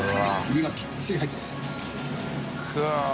身がぎっちり入ってる。